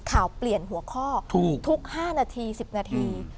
ข่าวเปลี่ยนหัวข้อทุก๕นาที๑๐นาที